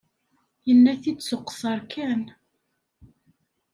Yenna-t-id s uqeṣṣer kan.